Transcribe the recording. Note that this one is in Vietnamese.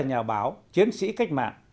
nhà báo chiến sĩ cách mạng